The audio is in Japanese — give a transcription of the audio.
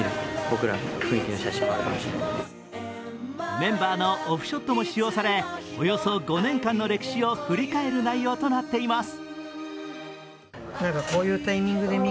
メンバーのオフショットも使用されおよそ５年間の歴史を振り返る内容となっています。